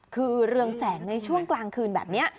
คือเรืองแสงในช่วงกลางคืนแบบนี้